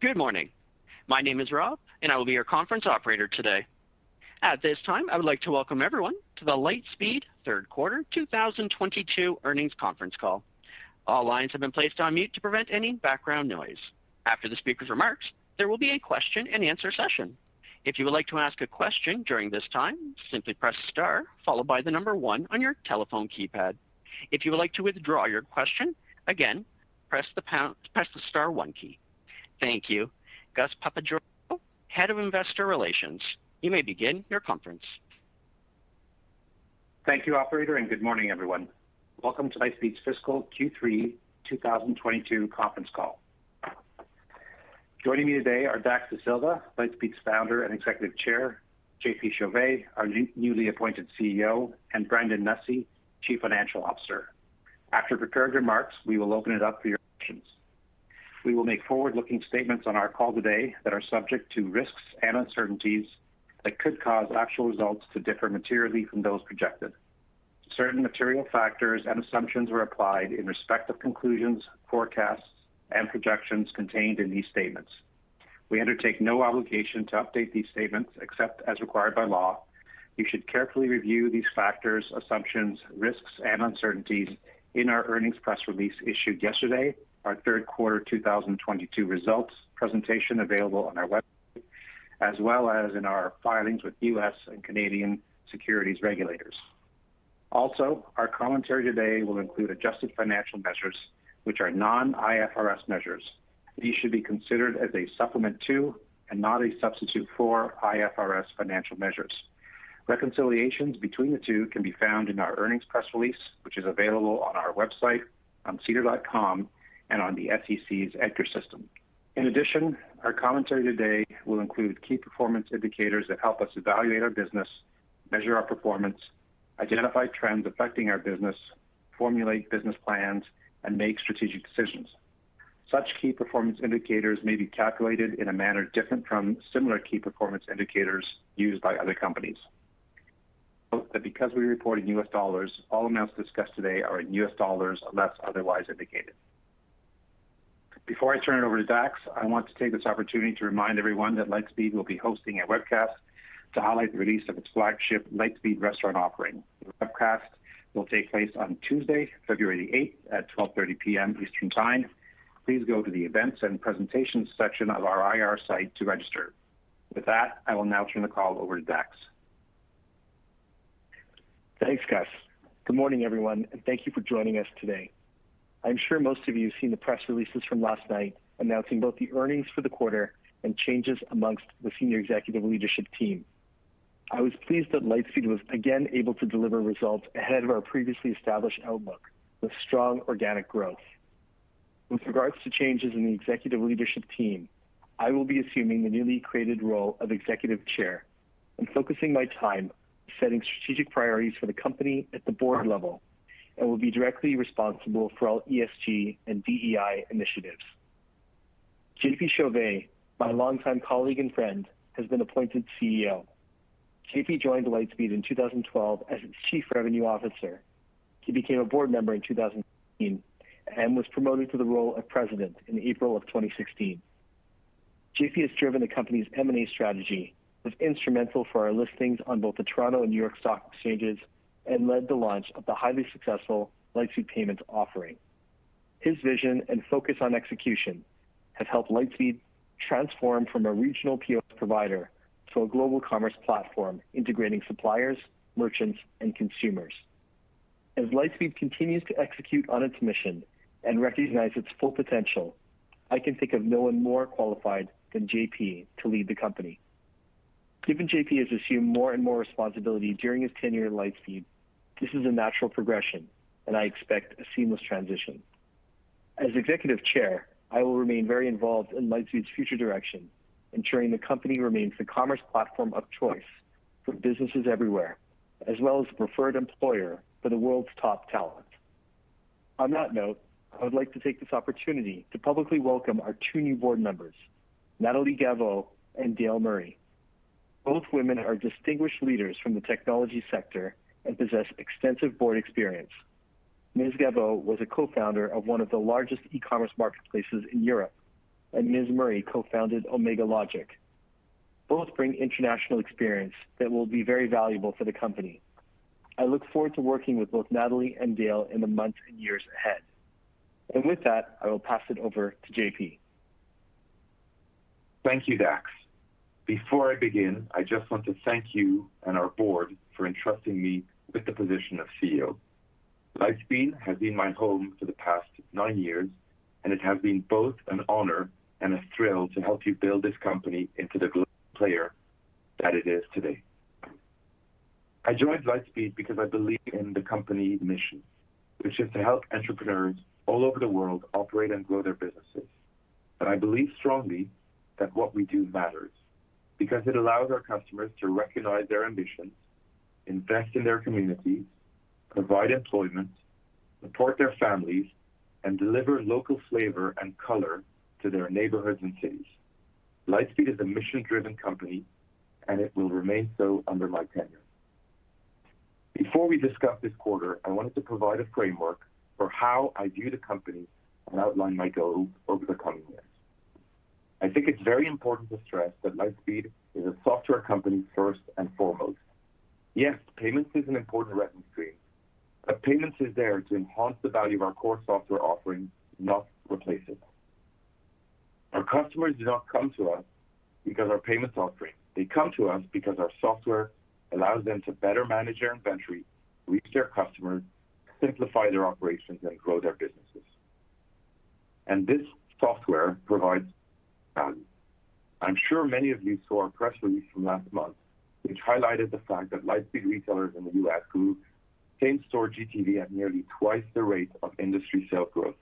Good morning. My name is Rob, and I will be your conference operator today. At this time, I would like to welcome everyone to The Lightspeed Q3 2022 Earnings Conference Call. All lines have been placed on mute to prevent any background noise. After the speaker's remarks, there will be a question and answer session. If you would like to ask a question during this time, simply press star followed by the number one on your telephone keypad. If you would like to withdraw your question, again, press the star one key. Thank you. Gus Papageorgiou, Head of Investor Relations, you may begin your conference. Thank you, operator, and good morning, everyone. Welcome to Lightspeed's fiscal Q3 2022 Conference Call. Joining me today are Dax Dasilva, Lightspeed's Founder and Executive Chair, JP Chauvet, our newly appointed CEO, and Brandon Nussey, CFO. After prepared remarks, we will open it up for your questions. We will make forward-looking statements on our call today that are subject to risks and uncertainties that could cause actual results to differ materially from those projected. Certain material factors and assumptions were applied in respect of conclusions, forecasts and projections contained in these statements. We undertake no obligation to update these statements except as required by law. You should carefully review these factors, assumptions, risks and uncertainties in our earnings press release issued yesterday, our Q3 2022 results presentation available on our website, as well as in our filings with U.S. and Canadian securities regulators. Our commentary today will include adjusted financial measures which are non-IFRS measures. These should be considered as a supplement to and not a substitute for IFRS financial measures. Reconciliations between the two can be found in our earnings press release, which is available on our website, on sedar.com, and on the SEC's EDGAR system. In addition, our commentary today will include key performance indicators that help us evaluate our business, measure our performance, identify trends affecting our business, formulate business plans and make strategic decisions. Such key performance indicators may be calculated in a manner different from similar key performance indicators used by other companies. Note that because we report in US dollars, all amounts discussed today are in US dollars unless otherwise indicated. Before I turn it over to Dax, I want to take this opportunity to remind everyone that Lightspeed will be hosting a webcast to highlight the release of its flagship Lightspeed Restaurant offering. The webcast will take place on Tuesday, February the eighth at 12:30 P.M. Eastern Time. Please go to the Events and Presentations section of our IR site to register. With that, I will now turn the call over to Dax. Thanks, Gus. Good morning, everyone, and thank you for joining us today. I'm sure most of you have seen the press releases from last night announcing both the earnings for the quarter and changes among the senior executive leadership team. I was pleased that Lightspeed was again able to deliver results ahead of our previously established outlook with strong organic growth. With regards to changes in the executive leadership team, I will be assuming the newly created role of Executive Chair and focusing my time setting strategic priorities for the company at the board level and will be directly responsible for all ESG and DEI initiatives. JP Chauvet, my longtime colleague and friend, has been appointed CEO. JP joined Lightspeed in 2012 as its Chief Revenue Officer. He became a board member in 2016 and was promoted to the role of president in April 2016. JP has driven the company's M&A strategy, was instrumental for our listings on both the Toronto Stock Exchange and New York Stock Exchange, and led the launch of the highly successful Lightspeed Payments offering. His vision and focus on execution have helped Lightspeed transform from a regional POS provider to a global commerce platform integrating suppliers, merchants, and consumers. As Lightspeed continues to execute on its mission and recognize its full potential, I can think of no one more qualified than JP to lead the company. Given JP has assumed more and more responsibility during his tenure at Lightspeed, this is a natural progression, and I expect a seamless transition. As Executive Chair, I will remain very involved in Lightspeed's future direction, ensuring the company remains the commerce platform of choice for businesses everywhere, as well as the preferred employer for the world's top talent. On that note, I would like to take this opportunity to publicly welcome our two new board members, Nathalie Gaveau and Dale Murray. Both women are distinguished leaders from the technology sector and possess extensive board experience. Ms. Gaveau was a co-founder of one of the largest e-commerce marketplaces in Europe, and Ms. Murray co-founded Omega Logic. Both bring international experience that will be very valuable for the company. I look forward to working with both Nathalie and Dale in the months and years ahead. With that, I will pass it over to JP. Thank you, Dax. Before I begin, I just want to thank you and our board for entrusting me with the position of CEO. Lightspeed has been my home for the past nine years, and it has been both an honor and a thrill to help you build this company into the global player that it is today. I joined Lightspeed because I believe in the company mission, which is to help entrepreneurs all over the world operate and grow their businesses. I believe strongly that what we do matters because it allows our customers to recognize their ambitions, invest in their communities, provide employment, support their families, and deliver local flavor and color to their neighborhoods and cities. Lightspeed is a mission-driven company, and it will remain so under my tenure. Before we discuss this quarter, I wanted to provide a framework for how I view the company and outline my goals over the coming years. I think it's very important to stress that Lightspeed is a software company first and foremost. Yes, payments is an important revenue stream, but payments is there to enhance the value of our core software offerings, not replace it. Our customers do not come to us because our payments offering. They come to us because our software allows them to better manage their inventory, reach their customers, simplify their operations, and grow their businesses. This software provides value. I'm sure many of you saw our press release from last month, which highlighted the fact that Lightspeed retailers in the U.S. grew same-store GTV at nearly twice the rate of industry sales growth.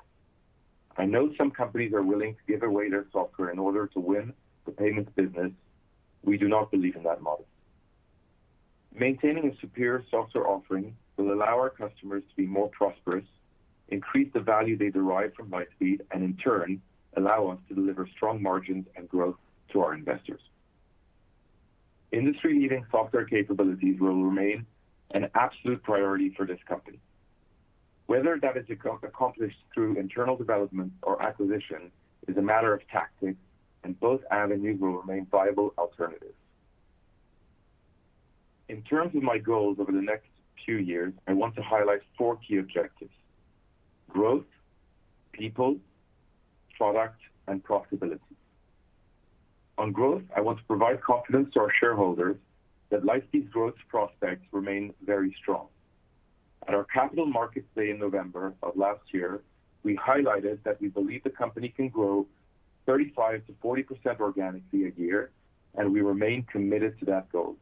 I know some companies are willing to give away their software in order to win the payments business. We do not believe in that model. Maintaining a superior software offering will allow our customers to be more prosperous, increase the value they derive from Lightspeed, and in turn, allow us to deliver strong margins and growth to our investors. Industry-leading software capabilities will remain an absolute priority for this company. Whether that is accomplished through internal development or acquisition is a matter of tactics, and both avenues will remain viable alternatives. In terms of my goals over the next few years, I want to highlight four key objectives, growth, people, product, and profitability. On growth, I want to provide confidence to our shareholders that Lightspeed's growth prospects remain very strong. At our Capital Markets Day in November of last year, we highlighted that we believe the company can grow 35% to 40% organically a year, and we remain committed to that goal.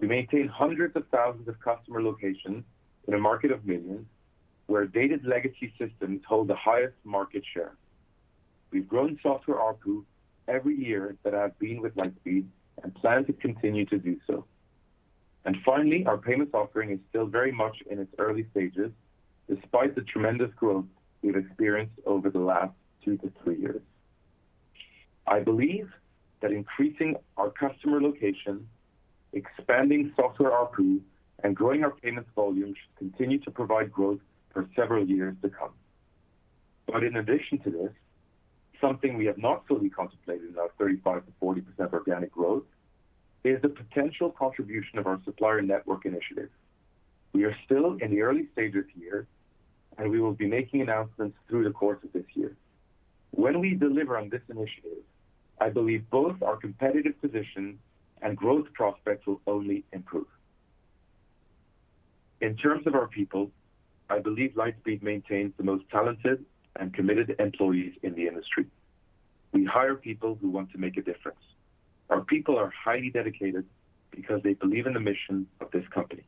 We maintain hundreds of thousands of customer locations in a market of millions, where dated legacy systems hold the highest market share. We've grown software ARPU every year that I've been with Lightspeed, and plan to continue to do so. Finally, our payments offering is still very much in its early stages, despite the tremendous growth we've experienced over the last two to three years. I believe that increasing our customer location, expanding software ARPU, and growing our payments volume should continue to provide growth for several years to come. In addition to this, something we have not fully contemplated in our 35% to 40% organic growth, is the potential contribution of our Supplier Network initiative. We are still in the early stages here, and we will be making announcements through the course of this year. When we deliver on this initiative, I believe both our competitive position and growth prospects will only improve. In terms of our people, I believe Lightspeed maintains the most talented and committed employees in the industry. We hire people who want to make a difference. Our people are highly dedicated because they believe in the mission of this company.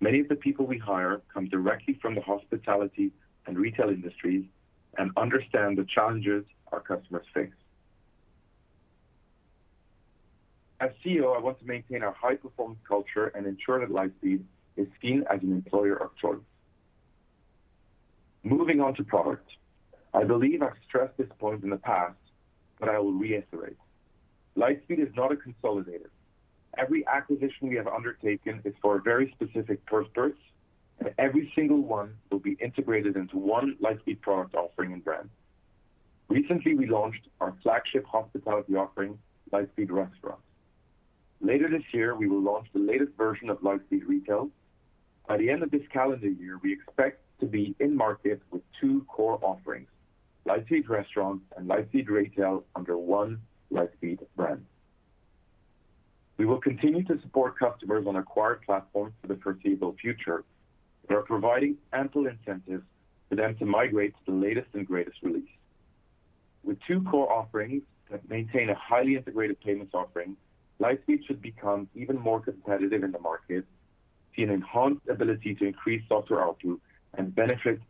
Many of the people we hire come directly from the hospitality and retail industries and understand the challenges our customers face. As CEO, I want to maintain our high-performance culture and ensure that Lightspeed is seen as an employer of choice. Moving on to product. I believe I've stressed this point in the past, but I will reiterate. Lightspeed is not a consolidator. Every acquisition we have undertaken is for a very specific purpose, and every single one will be integrated into one Lightspeed product offering and brand. Recently, we launched our flagship hospitality offering, Lightspeed Restaurant. Later this year, we will launch the latest version of Lightspeed Retail. By the end of this calendar year, we expect to be in market with two core offerings, Lightspeed Restaurant and Lightspeed Retail under one Lightspeed brand. We will continue to support customers on acquired platforms for the foreseeable future, and are providing ample incentives for them to migrate to the latest and greatest release. With two core offerings that maintain a highly integrated payments offering, Lightspeed should become even more competitive in the market, see an enhanced ability to increase software ARPU, and benefit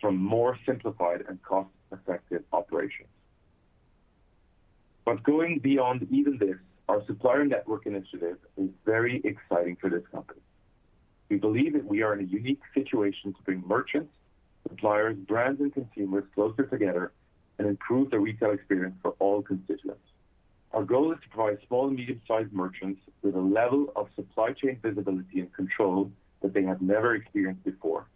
from more simplified and cost-effective operations. Going beyond even this, our supplier network initiative is very exciting for this company. We believe that we are in a unique situation to bring merchants, suppliers, brands, and consumers closer together and improve the retail experience for all constituents. Our goal is to provide small and medium-sized merchants with a level of supply chain visibility and control that they have never experienced before,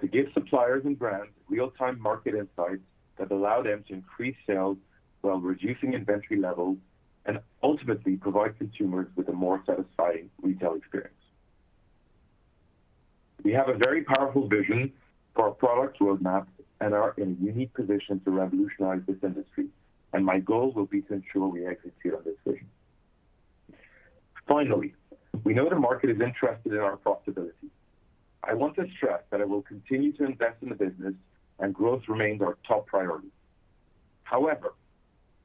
to give suppliers and brands real-time market insights that allow them to increase sales while reducing inventory levels, and ultimately provide consumers with a more satisfying retail experience. We have a very powerful vision for our product roadmap and are in a unique position to revolutionize this industry, and my goal will be to ensure we execute on this vision. Finally, we know the market is interested in our profitability. I want to stress that I will continue to invest in the business, and growth remains our top priority. However,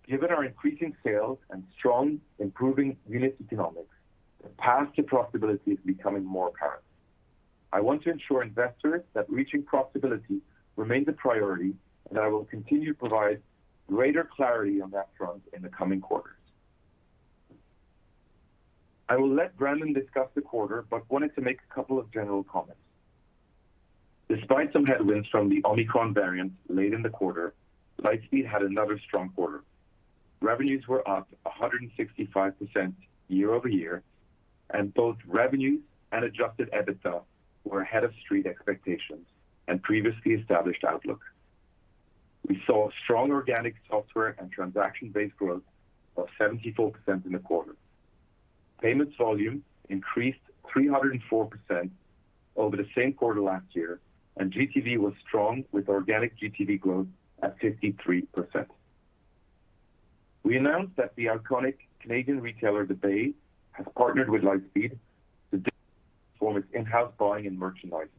given our increasing sales and strong improving unit economics, the path to profitability is becoming more apparent. I want to ensure investors that reaching profitability remains a priority, and I will continue to provide greater clarity on that front in the coming quarters. I will let Brandon discuss the quarter, but wanted to make a couple of general comments. Despite some headwinds from the Omicron variant late in the quarter, Lightspeed had another strong quarter. Revenues were up 165% year-over-year, and both revenues and adjusted EBITDA were ahead of street expectations and previously established outlook. We saw strong organic software and transaction-based growth of 74% in the quarter. Payments volume increased 304% over the same quarter last year, and GTV was strong with organic GTV growth at 53%. We announced that the iconic Canadian retailer, The Bay, has partnered with Lightspeed to form its in-house buying and merchandising.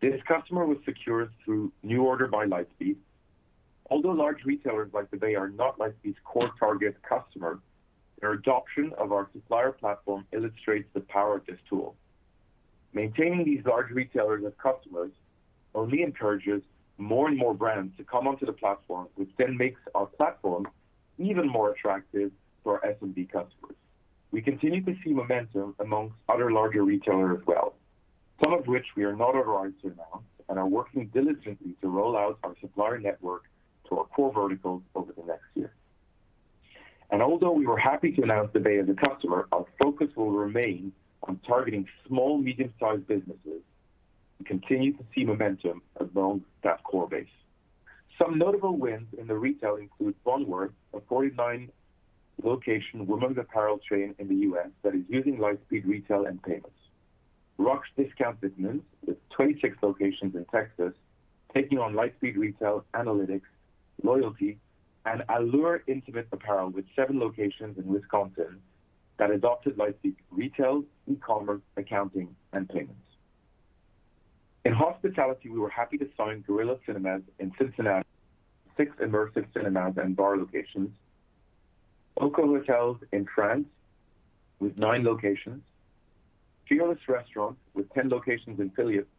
This customer was secured through NuORDER by Lightspeed. Although large retailers like The Bay are not Lightspeed's core target customer, their adoption of our supplier platform illustrates the power of this tool. Maintaining these large retailers as customers only encourages more and more brands to come onto the platform, which then makes our platform even more attractive for our SMB customers. We continue to see momentum among other larger retailers as well, some of which we are not authorized to announce, and are working diligently to roll out our supplier network to our core verticals over the next year. Although we were happy to announce The Bay as a customer, our focus will remain on targeting small, medium-sized businesses and continue to see momentum among that core base. Some notable wins in the retail include BonWorth, a 49-location women's apparel chain in the U.S. that is using Lightspeed Retail and Payments. Rock's Discount Vitamins with 26 locations in Texas, taking on Lightspeed Retail, analytics, loyalty, and Allure Intimate Apparel with seven locations in Wisconsin that adopted Lightspeed Retail, e-commerce, accounting, and Payments. In hospitality, we were happy to sign Gorilla Cinema in Cincinnati, six immersive cinemas and bar locations, Okko Hotels in France with nine locations, Fearless Restaurants with 10 locations in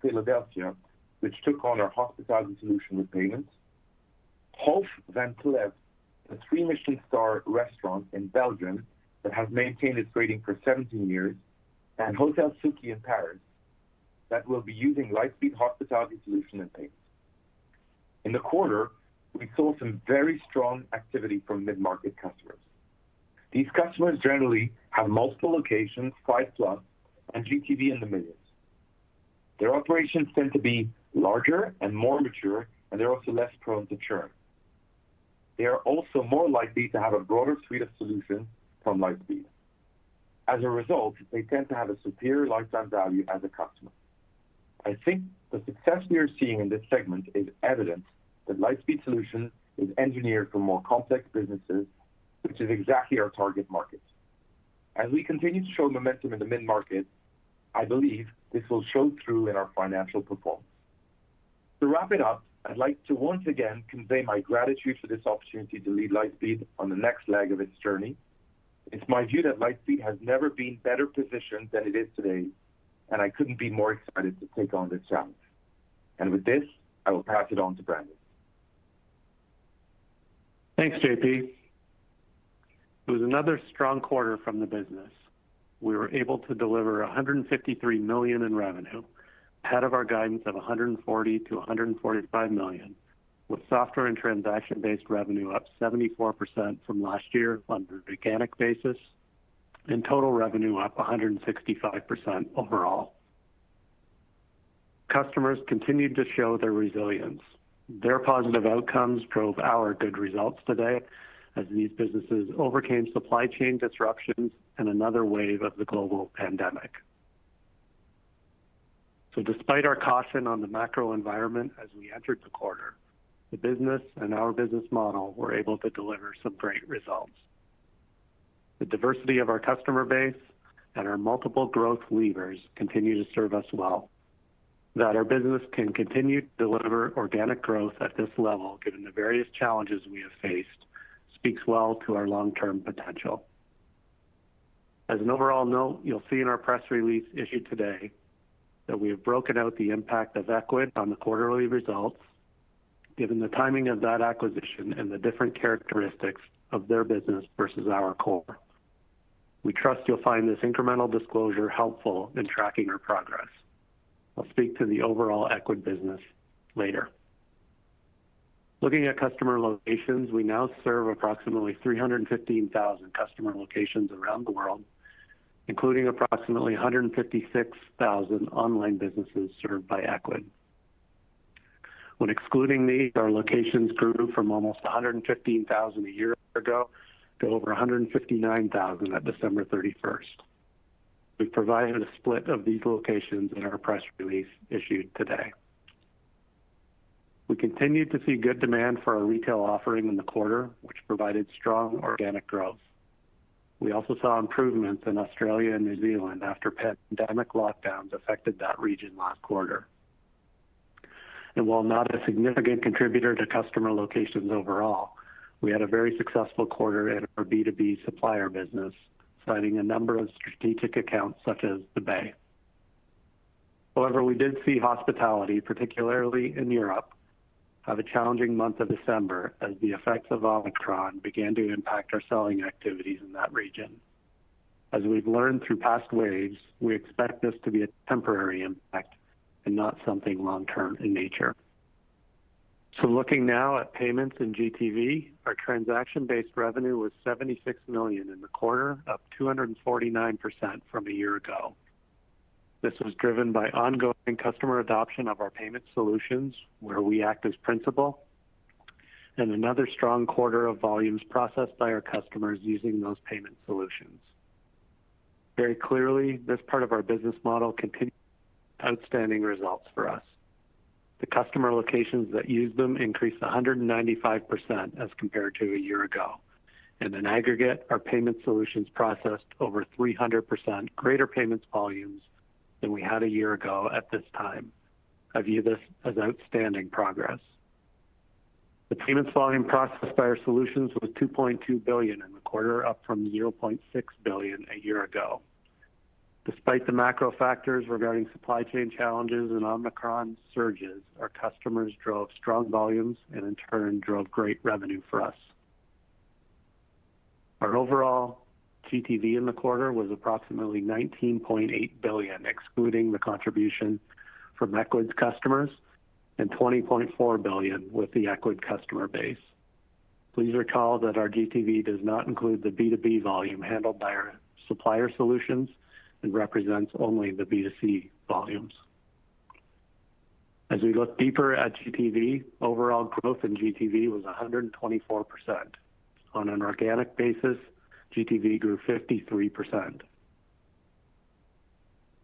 Philadelphia, which took on our hospitality solution with payments. Hof van Cleve, a three-Michelin star restaurant in Belgium that has maintained its grading for 17 years, and Hôtel Sookie in Paris that will be using Lightspeed Hospitality solution and payments. In the quarter, we saw some very strong activity from mid-market customers. These customers generally have multiple locations, 5+, and GTV in the millions. Their operations tend to be larger and more mature, and they're also less prone to churn. They are also more likely to have a broader suite of solutions from Lightspeed. As a result, they tend to have a superior lifetime value as a customer. I think the success we are seeing in this segment is evidence that Lightspeed solution is engineered for more complex businesses, which is exactly our target market. As we continue to show momentum in the mid-market, I believe this will show through in our financial performance. To wrap it up, I'd like to once again convey my gratitude for this opportunity to lead Lightspeed on the next leg of its journey. It's my view that Lightspeed has never been better positioned than it is today, and I couldn't be more excited to take on this challenge. With this, I will pass it on to Brandon. Thanks, JP. It was another strong quarter from the business. We were able to deliver $153 million in revenue ahead of our guidance of $140 to 145 million, with software and transaction-based revenue up 74% from last year on an organic basis, and total revenue up 165% overall. Customers continued to show their resilience. Their positive outcomes drove our good results today as these businesses overcame supply chain disruptions and another wave of the global pandemic. Despite our caution on the macro environment as we entered the quarter, the business and our business model were able to deliver some great results. The diversity of our customer base and our multiple growth levers continue to serve us well. That our business can continue to deliver organic growth at this level given the various challenges we have faced speaks well to our long-term potential. As an overall note, you'll see in our press release issued today that we have broken out the impact of Ecwid on the quarterly results, given the timing of that acquisition and the different characteristics of their business versus our core. We trust you'll find this incremental disclosure helpful in tracking our progress. I'll speak to the overall Ecwid business later. Looking at customer locations, we now serve approximately 315,000 customer locations around the world, including approximately 156,000 online businesses served by Ecwid. When excluding these, our locations grew from almost 115,000 a year ago to over 159,000 at December 31. We've provided a split of these locations in our press release issued today. We continued to see good demand for our retail offering in the quarter, which provided strong organic growth. We also saw improvements in Australia and New Zealand after pandemic lockdowns affected that region last quarter. While not a significant contributor to customer locations overall, we had a very successful quarter in our B2B supplier business, signing a number of strategic accounts such as The Bay. However, we did see hospitality, particularly in Europe, have a challenging month of December as the effects of Omicron began to impact our selling activities in that region. As we've learned through past waves, we expect this to be a temporary impact and not something long-term in nature. Looking now at payments in GTV, our transaction-based revenue was $76 million in the quarter, up 249% from a year ago. This was driven by ongoing customer adoption of our payment solutions, where we act as principal, and another strong quarter of volumes processed by our customers using those payment solutions. Very clearly, this part of our business model continued outstanding results for us. The customer locations that used them increased 195% as compared to a year ago, and in aggregate, our payment solutions processed over 300% greater payments volumes than we had a year ago at this time. I view this as outstanding progress. The payments volume processed by our solutions was $2.2 billion in the quarter, up from $0.6 billion a year ago. Despite the macro factors regarding supply chain challenges and Omicron surges, our customers drove strong volumes and in turn drove great revenue for us. Our overall GTV in the quarter was approximately $19.8 billion, excluding the contribution from Ecwid's customers, and $20.4 billion with the Ecwid customer base. Please recall that our GTV does not include the B2B volume handled by our supplier solutions and represents only the B2C volumes. As we look deeper at GTV, overall growth in GTV was 124%. On an organic basis, GTV grew 53%.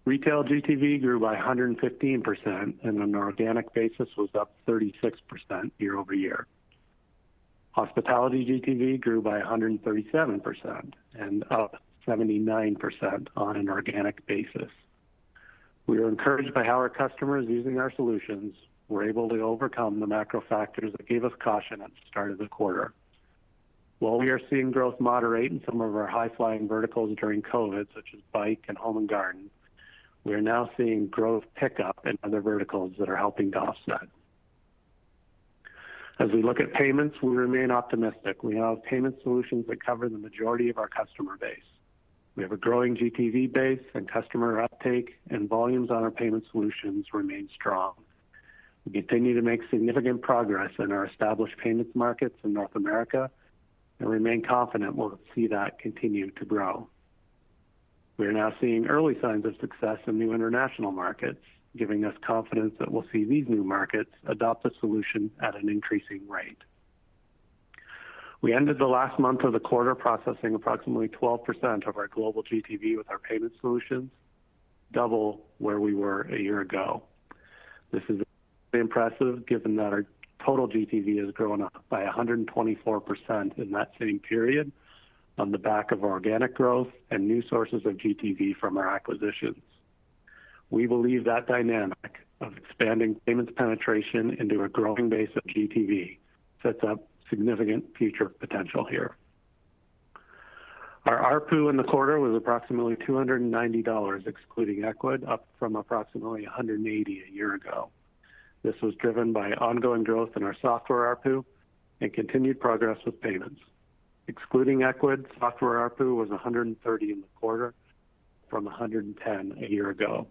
Retail GTV grew by 115%, and on an organic basis was up 36% year-over-year. Hospitality GTV grew by 137% and up 79% on an organic basis. We are encouraged by how our customers using our solutions were able to overcome the macro factors that gave us caution at the start of the quarter. While we are seeing growth moderate in some of our high-flying verticals during COVID, such as bike and home and garden, we are now seeing growth pick up in other verticals that are helping to offset. As we look at payments, we remain optimistic. We have payment solutions that cover the majority of our customer base. We have a growing GTV base and customer uptake, and volumes on our payment solutions remain strong. We continue to make significant progress in our established payments markets in North America and remain confident we'll see that continue to grow. We are now seeing early signs of success in new international markets, giving us confidence that we'll see these new markets adopt the solution at an increasing rate. We ended the last month of the quarter processing approximately 12% of our global GTV with our payment solutions, double where we were a year ago. This is impressive given that our total GTV has grown by 124% in that same period on the back of organic growth and new sources of GTV from our acquisitions. We believe that dynamic of expanding payments penetration into a growing base of GTV sets up significant future potential here. Our ARPU in the quarter was approximately $290, excluding Ecwid, up from approximately $180 a year ago. This was driven by ongoing growth in our software ARPU and continued progress with payments. Excluding Ecwid, software ARPU was $130 in the quarter from $110 a year ago.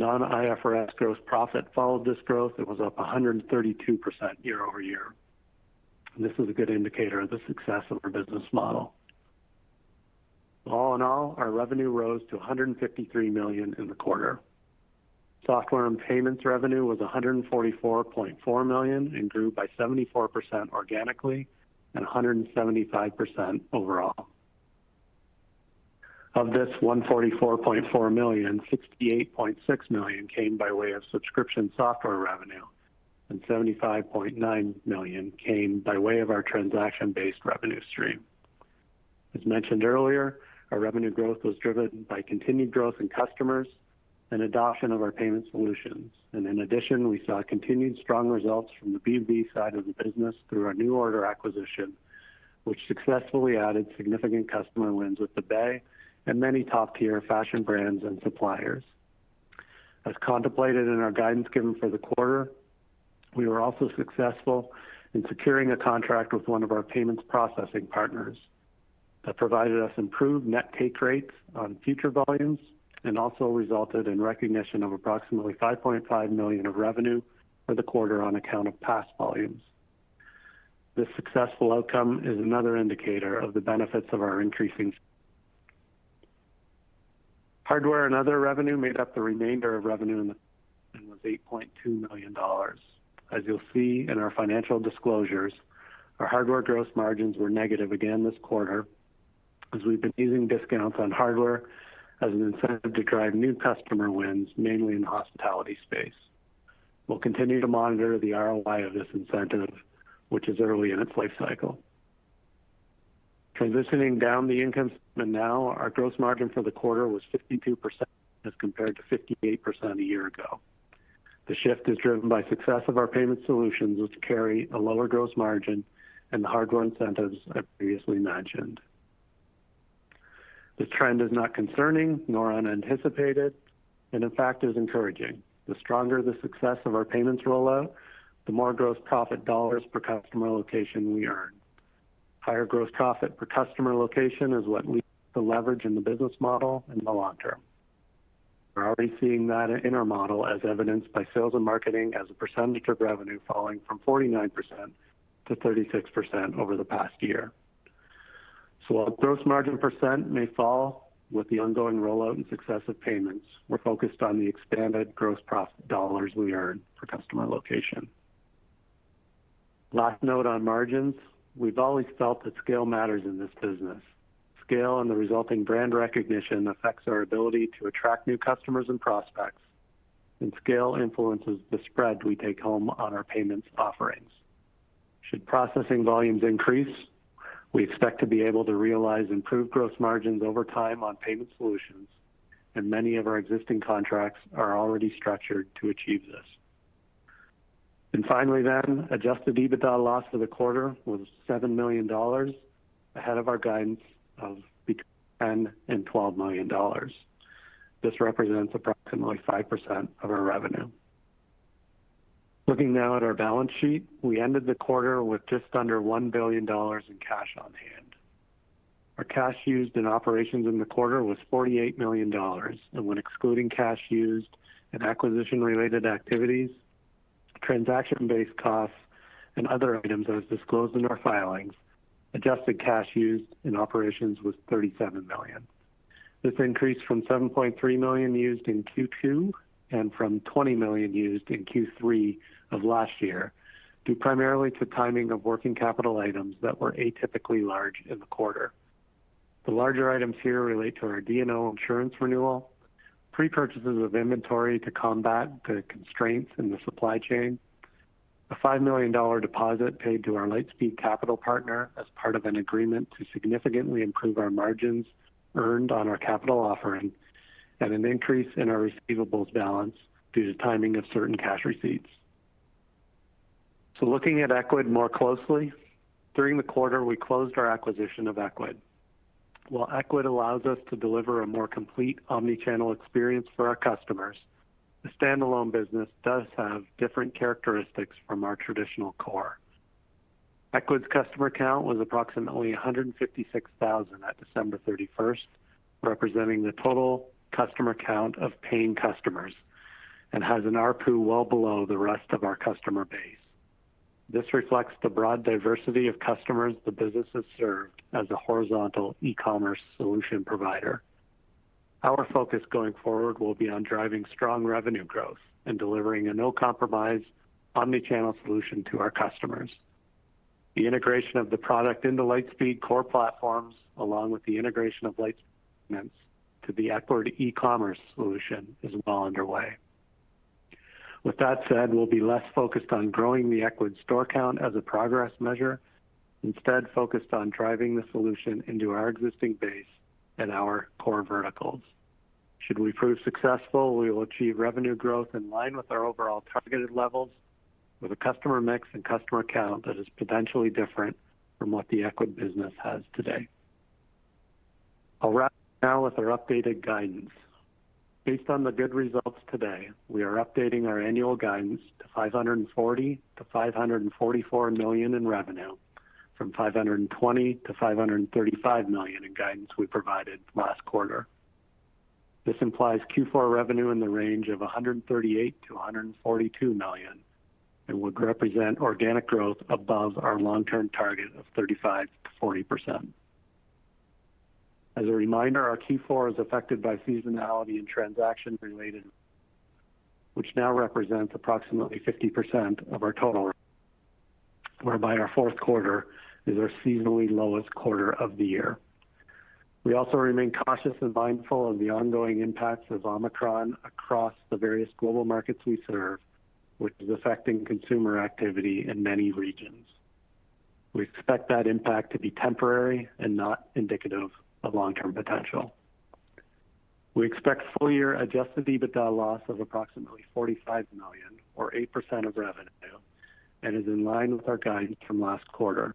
Non-IFRS gross profit followed this growth. It was up 132% year-over-year. This is a good indicator of the success of our business model. All in all, our revenue rose to $153 million in the quarter. Software and payments revenue was $144.4 million and grew by 74% organically and 175% overall. Of this $144.4 million, $68.6 million came by way of subscription software revenue, and $75.9 million came by way of our transaction-based revenue stream. As mentioned earlier, our revenue growth was driven by continued growth in customers and adoption of our payment solutions, and in addition, we saw continued strong results from the B2B side of the business through our NuORDER acquisition, which successfully added significant customer wins with The Bay and many top-tier fashion brands and suppliers. As contemplated in our guidance given for the quarter, we were also successful in securing a contract with one of our payments processing partners that provided us improved net take rates on future volumes and also resulted in recognition of approximately $5.5 million of revenue for the quarter on account of past volumes. This successful outcome is another indicator of the benefits of our increasing. Hardware and other revenue made up the remainder of revenue and was $8.2 million. As you'll see in our financial disclosures, our hardware gross margins were negative again this quarter as we've been using discounts on hardware as an incentive to drive new customer wins, mainly in the hospitality space. We'll continue to monitor the ROI of this incentive, which is early in its life cycle. Transitioning down the income statement now, our gross margin for the quarter was 52% as compared to 58% a year ago. The shift is driven by success of our payment solutions, which carry a lower gross margin and the hardware incentives I previously mentioned. This trend is not concerning nor unanticipated, and in fact is encouraging. The stronger the success of our payments rollout, the more gross profit dollars per customer location we earn. Higher gross profit per customer location is what leads to leverage in the business model in the long term. We're already seeing that in our model as evidenced by sales and marketing as a percentage of revenue falling from 49% to 36% over the past year. While gross margin percent may fall with the ongoing rollout and success of payments, we're focused on the expanded gross profit dollars we earn per customer location. Last note on margins. We've always felt that scale matters in this business. Scale and the resulting brand recognition affects our ability to attract new customers and prospects, and scale influences the spread we take home on our payments offerings. Should processing volumes increase, we expect to be able to realize improved gross margins over time on payment solutions, and many of our existing contracts are already structured to achieve this. Finally then, adjusted EBITDA loss for the quarter was $7 million, ahead of our guidance of between $10 million and $12 million. This represents approximately 5% of our revenue. Looking now at our balance sheet, we ended the quarter with just under $1 billion in cash on hand. Our cash used in operations in the quarter was $48 million. When excluding cash used in acquisition-related activities, transaction-based costs, and other items as disclosed in our filings, adjusted cash used in operations was $37 million. This increased from $7.3 million used in Q2 and from $20 million used in Q3 of last year, due primarily to timing of working capital items that were atypically large in the quarter. The larger items here relate to our D&O insurance renewal, prepurchases of inventory to combat the constraints in the supply chain, a $5 million deposit paid to our Lightspeed Capital partner as part of an agreement to significantly improve our margins earned on our Capital offering, and an increase in our receivables balance due to timing of certain cash receipts. Looking at Ecwid more closely, during the quarter, we closed our acquisition of Ecwid. While Ecwid allows us to deliver a more complete omnichannel experience for our customers, the standalone business does have different characteristics from our traditional core. Ecwid's customer count was approximately 156,000 at December 31, representing the total customer count of paying customers, and has an ARPU well below the rest of our customer base. This reflects the broad diversity of customers the business has served as a horizontal e-commerce solution provider. Our focus going forward will be on driving strong revenue growth and delivering a no-compromise omnichannel solution to our customers. The integration of the product into Lightspeed core platforms, along with the integration of Lightspeed Payments to the Ecwid e-commerce solution is well underway. With that said, we'll be less focused on growing the Ecwid store count as a progress measure, instead focused on driving the solution into our existing base and our core verticals. Should we prove successful, we will achieve revenue growth in line with our overall targeted levels with a customer mix and customer count that is potentially different from what the Ecwid business has today. I'll wrap up now with our updated guidance. Based on the good results today, we are updating our annual guidance to $540 to 544 million in revenue, from $520 to 535 million in guidance we provided last quarter. This implies Q4 revenue in the range of $138 to 142 million, and would represent organic growth above our long-term target of 35% to 40%. As a reminder, our Q4 is affected by seasonality and transaction related, which now represents approximately 50% of our total revenue, whereby our Q4 is our seasonally lowest quarter of the year. We remain cautious and mindful of the ongoing impacts of Omicron across the various global markets we serve, which is affecting consumer activity in many regions. We expect that impact to be temporary and not indicative of long-term potential. We expect full year adjusted EBITDA loss of approximately $45 million or 8% of revenue, and is in line with our guidance from last quarter.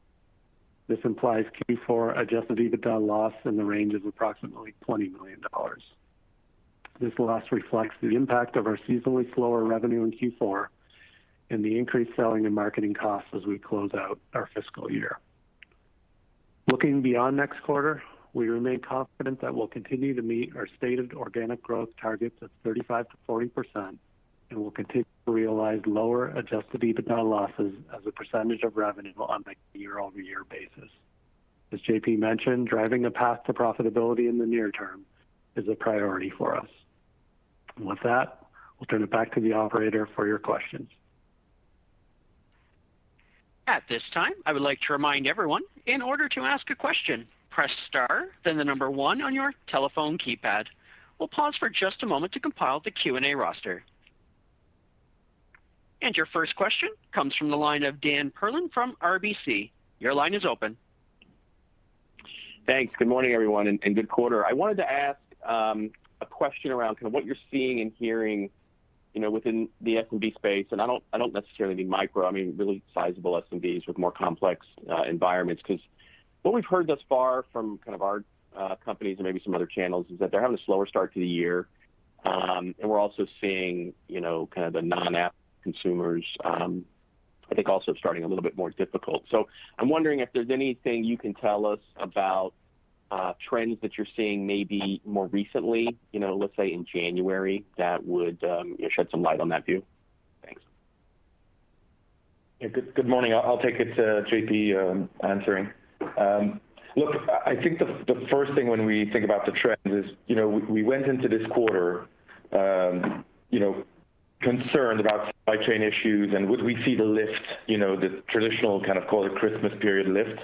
This implies Q4 adjusted EBITDA loss in the range of approximately $20 million. This loss reflects the impact of our seasonally slower revenue in Q4 and the increased selling and marketing costs as we close out our fiscal year. Looking beyond next quarter, we remain confident that we'll continue to meet our stated organic growth targets of 35% to 40%, and we'll continue to realize lower adjusted EBITDA losses as a percentage of revenue on a year-over-year basis. As JP mentioned, driving a path to profitability in the near term is a priority for us. With that, I'll turn it back to the operator for your questions. At this time, I would like to remind everyone, in order to ask a question, press star, then the number one on your telephone keypad. We'll pause for just a moment to compile the Q&A roster. Your first question comes from the line of Daniel Perlin from RBC. Your line is open. Thanks. Good morning, everyone, and good quarter. I wanted to ask, a question around kind of what you're seeing and hearing. You know, within the SMB space, and I don't necessarily mean micro. I mean really sizable SMBs with more complex environments. Because what we've heard thus far from kind of our companies and maybe some other channels is that they're having a slower start to the year. We're also seeing, you know, kind of the non-app consumers. I think also starting a little bit more difficult. I'm wondering if there's anything you can tell us about trends that you're seeing maybe more recently, you know, let's say in January, that would shed some light on that view. Thanks. Yeah. Good morning. I'll take it, JP, answering. Look, I think the first thing when we think about the trends is, you know, we went into this quarter, you know, concerned about supply chain issues and would we see the lift, you know, the traditional kind of call it Christmas period lift.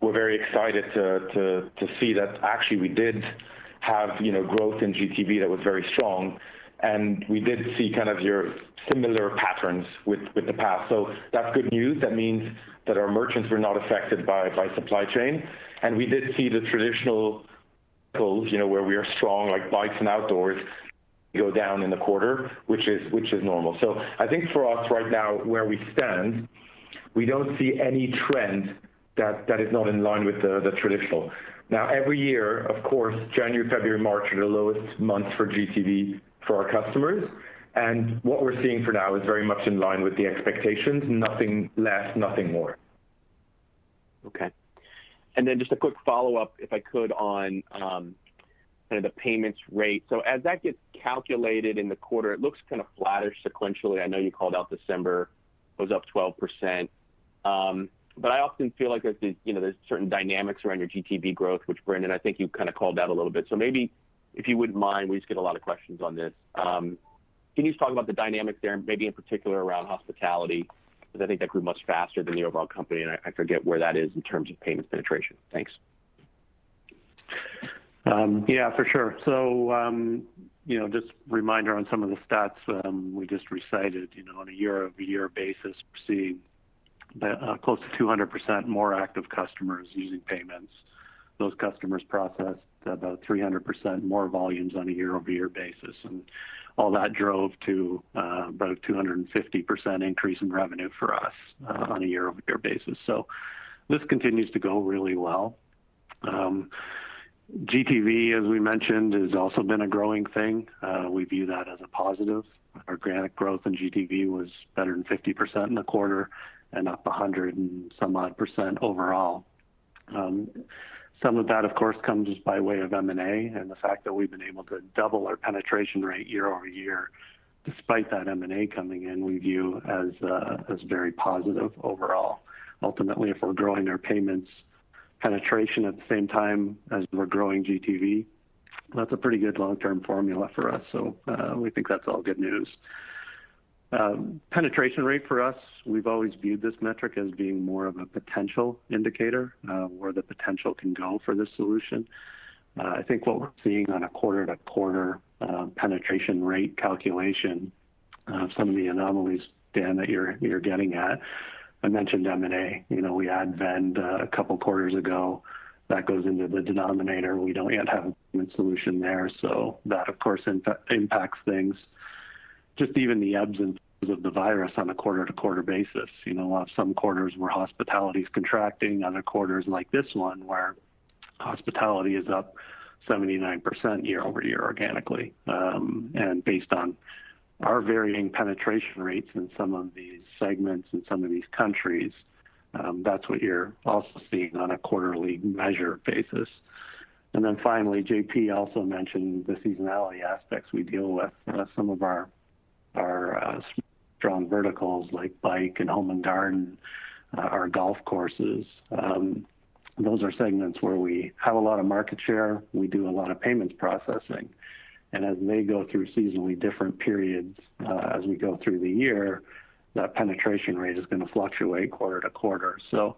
We're very excited to see that actually we did have, you know, growth in GTV that was very strong. We did see kind of your similar patterns with the past. So that's good news. That means that our merchants were not affected by supply chain. We did see the traditional goals, you know, where we are strong, like bikes and outdoors go down in the quarter, which is normal. I think for us right now, where we stand, we don't see any trend that is not in line with the traditional. Now, every year, of course, January, February, March are the lowest months for GTV for our customers. What we're seeing for now is very much in line with the expectations. Nothing less, nothing more. Just a quick follow-up, if I could, on kind of the payments rate. As that gets calculated in the quarter, it looks kind of flattish sequentially. I know you called out December was up 12%. I often feel like there's, you know, there's certain dynamics around your GTV growth, which Brandon, I think you kind of called out a little bit. Maybe if you wouldn't mind, we just get a lot of questions on this. Can you talk about the dynamics there and maybe in particular around hospitality? Because I think that grew much faster than the overall company, and I forget where that is in terms of payment penetration. Thanks. Yeah, for sure. You know, just a reminder on some of the stats we just recited. You know, on a year-over-year basis, we're seeing about close to 200% more active customers using payments. Those customers processed about 300% more volumes on a year-over-year basis, and all that drove to about 250% increase in revenue for us on a year-over-year basis. This continues to go really well. GTV, as we mentioned, has also been a growing thing. We view that as a positive. Our organic growth in GTV was better than 50% in the quarter and up 100% and some odd percent overall. Some of that, of course, comes by way of M&A and the fact that we've been able to double our penetration rate year-over-year despite that M&A coming in, we view as very positive overall. Ultimately, if we're growing our payments penetration at the same time as we're growing GTV, that's a pretty good long-term formula for us. We think that's all good news. Penetration rate for us, we've always viewed this metric as being more of a potential indicator where the potential can go for this solution. I think what we're seeing on a quarter-to-quarter penetration rate calculation, some of the anomalies, Daniel, that you're getting at. I mentioned M&A. You know, we had Vend a couple quarters ago. That goes into the denominator. We don't yet have a payment solution there, so that of course impacts things. Just even the ebbs and flows of the virus on a quarter-to-quarter basis. You know, some quarters where hospitality is contracting, other quarters like this one where hospitality is up 79% year-over-year organically. Based on our varying penetration rates in some of these segments, in some of these countries, that's what you're also seeing on a quarterly measure basis. Finally, JP also mentioned the seasonality aspects we deal with some of our strong verticals like bike and home and garden, our golf courses. Those are segments where we have a lot of market share, we do a lot of payments processing. As they go through seasonally different periods, as we go through the year, that penetration rate is gonna fluctuate quarter to quarter. So,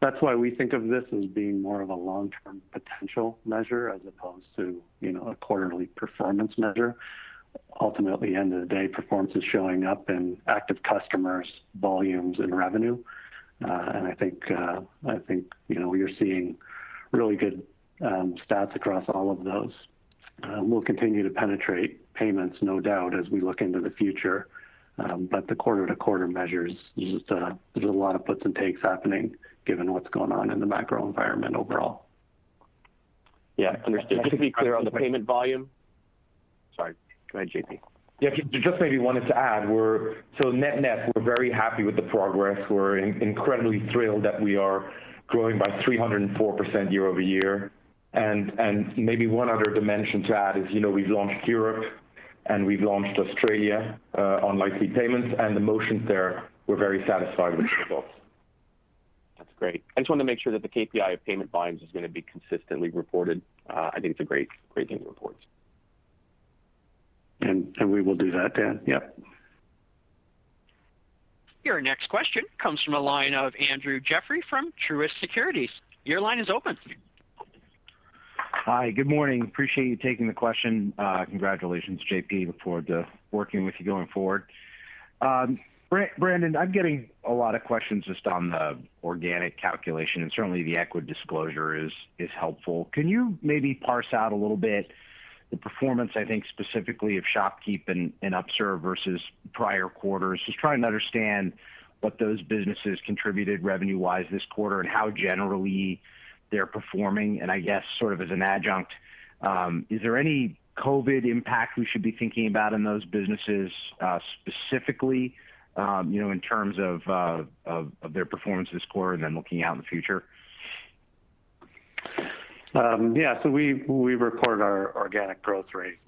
that's why we think of this as being more of a long-term potential measure as opposed to, you know, a quarterly performance measure. Ultimately, at the end of the day, performance is showing up in active customers, volumes, and revenue. I think, you know, we are seeing really good stats across all of those. We'll continue to penetrate payments no doubt as we look into the future. The quarter-to-quarter measures, there's just a lot of puts and takes happening given what's going on in the macro environment overall. Yeah. Understood. Just to be clear on the payment volume. Sorry. Go ahead, JP. Yeah. Just maybe wanted to add, so net-net, we're very happy with the progress. We're incredibly thrilled that we are growing by 304% year-over-year. Maybe one other dimension to add is, you know, we've launched Europe and we've launched Australia on Lightspeed Payments, and the motions there, we're very satisfied with the results. That's great. I just wanted to make sure that the KPI of payment volumes is gonna be consistently reported. I think it's a great thing to report. We will do that, Daniel. Yep. Your next question comes from the line of Andrew Jeffrey from Truist Securities. Your line is open. Hi. Good morning. I appreciate you taking the question. Congratulations, JP. I look forward to working with you going forward. Brandon, I'm getting a lot of questions just on the organic calculation, and certainly the Ecwid disclosure is helpful. Can you maybe parse out a little bit the performance, I think specifically of ShopKeep and Upserve versus prior quarters? Just trying to understand what those businesses contributed revenue-wise this quarter and how generally they're performing. I guess sort of as an adjunct, is there any COVID impact we should be thinking about in those businesses, specifically, you know, in terms of their performance this quarter and then looking out in the future? We reported our organic growth rate,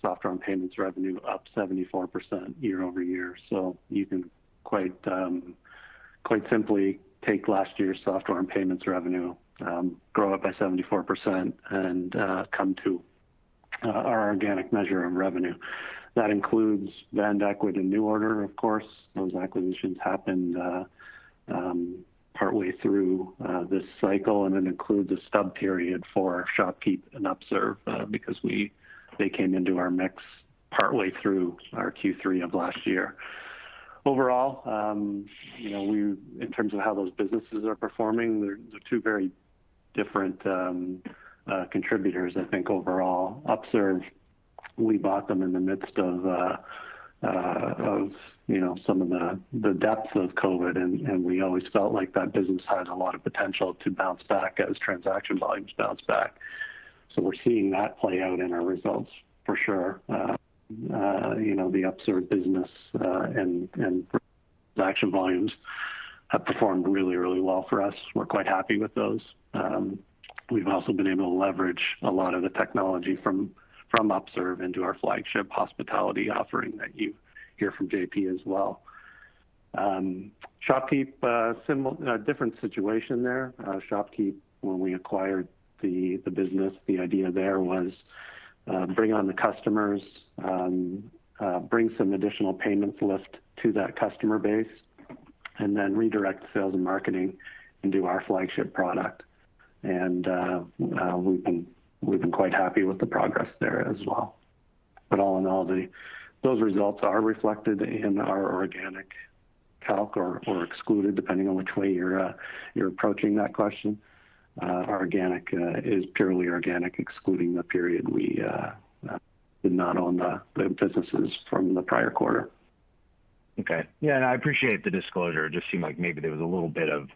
software and payments revenue up 74% year-over-year. You can quite simply take last year's software and payments revenue, grow it by 74% and come to our organic measure of revenue. That includes Vend, Ecwid, and NuORDER, of course. Those acquisitions happened partway through this cycle and then include the stub period for ShopKeep and Upserve, because they came into our mix partway through our Q3 of last year. Overall, you know, in terms of how those businesses are performing, they're two very different contributors I think overall. Upserve, we bought them in the midst of, you know, some of the depths of COVID, and we always felt like that business had a lot of potential to bounce back as transaction volumes bounce back. We're seeing that play out in our results for sure. You know, the Upserve business and transaction volumes have performed really well for us. We're quite happy with those. We've also been able to leverage a lot of the technology from Upserve into our flagship hospitality offering that you hear from JP as well. ShopKeep, similar, a different situation there. ShopKeep, when we acquired the business, the idea there was bring on the customers, bring some additional payments lift to that customer base, and then redirect sales and marketing into our flagship product. We've been quite happy with the progress there as well. All in all, those results are reflected in our organic calc or excluded, depending on which way you're approaching that question. Our organic is purely organic, excluding the period we did not own the businesses from the prior quarter. Okay. Yeah, I appreciate the disclosure. It just seemed like maybe there was a little bit of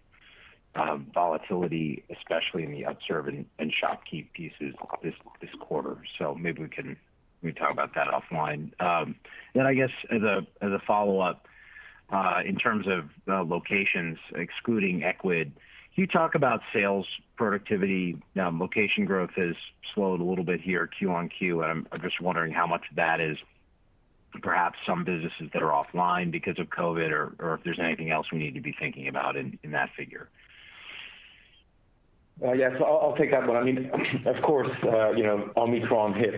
volatility, especially in the Upserve and ShopKeep pieces this quarter. Maybe we can talk about that offline. I guess as a follow-up, in terms of locations excluding Ecwid, can you talk about sales productivity? Location growth has slowed a little bit here Q on Q, and I'm just wondering how much of that is perhaps some businesses that are offline because of COVID or if there's anything else we need to be thinking about in that figure. Yes. I'll take that one. I mean, of course, you know, Omicron hit,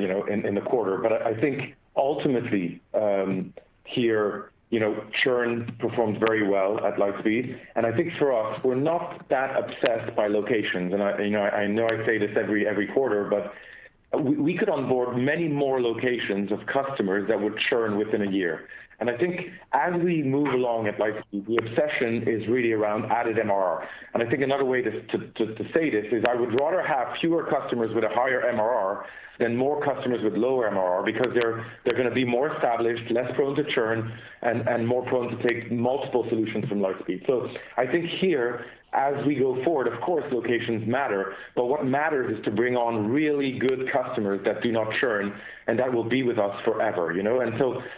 you know, in the quarter. I think ultimately, here, you know, churn performed very well at Lightspeed, and I think for us, we're not that obsessed by locations. I know I say this every quarter, but we could onboard many more locations of customers that would churn within a year. I think as we move along at Lightspeed, the obsession is really around added MRR. I think another way to say this is I would rather have fewer customers with a higher MRR than more customers with lower MRR because they're gonna be more established, less prone to churn, and more prone to take multiple solutions from Lightspeed. I think here, as we go forward, of course, locations matter, but what matters is to bring on really good customers that do not churn and that will be with us forever, you know?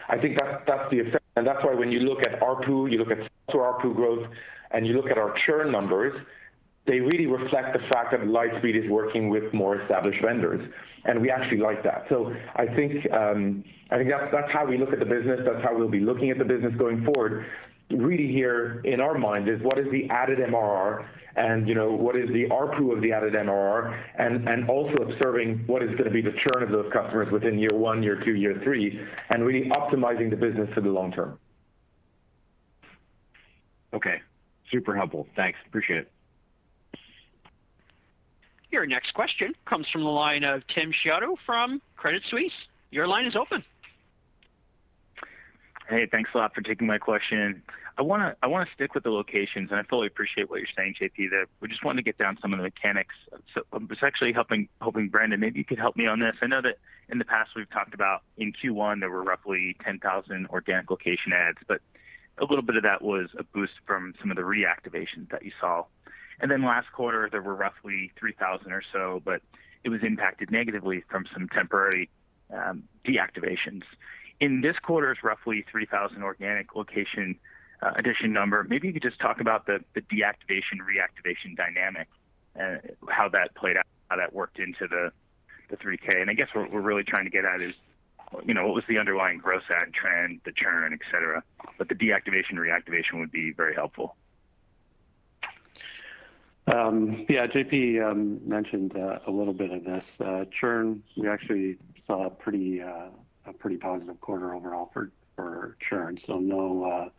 I think that's the effect. That's why when you look at ARPU, you look at software ARPU growth, and you look at our churn numbers, they really reflect the fact that Lightspeed is working with more established vendors, and we actually like that. I think that's how we look at the business. That's how we'll be looking at the business going forward. Really, here in our mind is what is the added MRR and, you know, what is the ARPU of the added MRR and also observing what is gonna be the churn of those customers within year one, year two, year three, and really optimizing the business for the long term. Okay. Super helpful. Thanks. Appreciate it. Your next question comes from the line of Timothy Chiodo from Credit Suisse. Your line is open. Hey, thanks a lot for taking my question. I wanna stick with the locations, and I fully appreciate what you're saying, JP, that we just wanted to get down some of the mechanics. I'm just actually hoping, Brandon, maybe you could help me on this. I know that in the past we've talked about in Q1, there were roughly 10,000 organic location adds, but a little bit of that was a boost from some of the reactivation that you saw. Then last quarter, there were roughly 3,000 or so, but it was impacted negatively from some temporary deactivations. In this quarter, roughly 3,000 organic location addition number, maybe you could just talk about the deactivation, reactivation dynamic, how that played out, how that worked into the 3K. I guess what we're really trying to get at is, you know, what was the underlying gross add trend, the churn, etcetera. The deactivation, reactivation would be very helpful. Yeah, JP mentioned a little bit of this. Churn, we actually saw a pretty positive quarter overall for churn. No,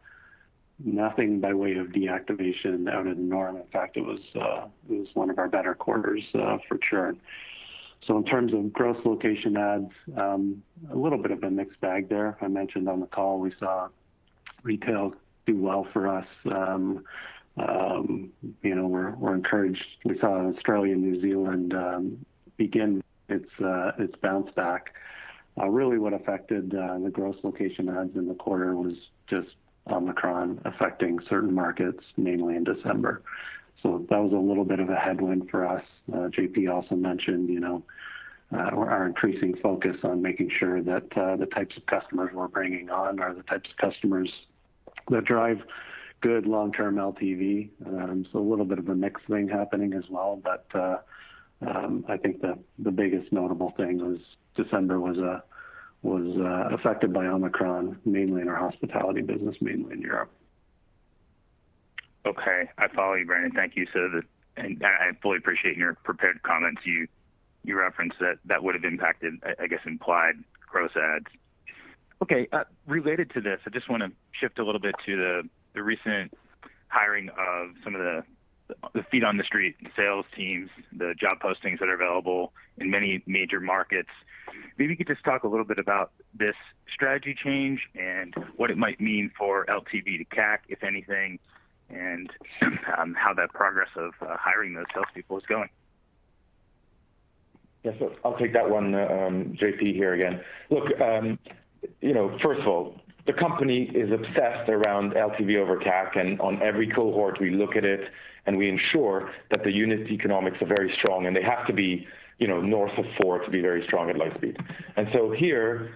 nothing by way of deactivation out of the norm. In fact, it was one of our better quarters for churn. In terms of gross location adds, a little bit of a mixed bag there. I mentioned on the call we saw retail do well for us. You know, we're encouraged. We saw Australia and New Zealand begin its bounce back. Really what affected the gross location adds in the quarter was just Omicron affecting certain markets, namely in December. That was a little bit of a headwind for us. JP also mentioned, you know, our increasing focus on making sure that the types of customers we're bringing on are the types of customers that drive good long-term LTV. A little bit of a mix thing happening as well. I think the biggest notable thing was December was affected by Omicron, mainly in our hospitality business, mainly in Europe. Okay. I follow you, Brandon. Thank you. I fully appreciate in your prepared comments, you referenced that would have impacted, I guess, implied gross adds. Okay. Related to this, I just wanna shift a little bit to the recent hiring of some of the feet on the street sales teams, the job postings that are available in many major markets. Maybe you could just talk a little bit about this strategy change and what it might mean for LTV to CAC, if anything, and how that progress of hiring those sales people is going. Yes. I'll take that one. JP here again. Look, you know, first of all, the company is obsessed around LTV over CAC, and on every cohort we look at it and we ensure that the unit economics are very strong, and they have to be, you know, north of four to be very strong at Lightspeed. Here,